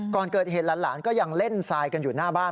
ก่อนเกิดเหตุหลานก็ยังเล่นทรายกันอยู่หน้าบ้าน